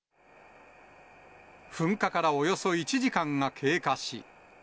噴火からおよそ１時間が経過し。